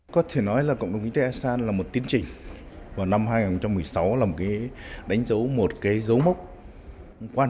có thể nói là cộng đồng kinh tế asean là một tiến trình vào năm hai nghìn một mươi sáu là một cái đánh dấu một cái dấu mốc quan trọng của cái thế kỷ này